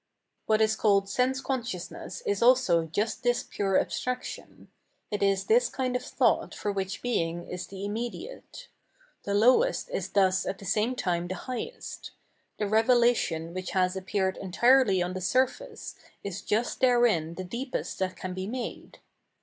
What is called sense consciousness is also just this pure abstraction ; it is this kind of thought for which being is the immediate. The lowest is thus at the same time the highest ; the revelation which has appeared entirely on the surface is just therein the deepest that can be made.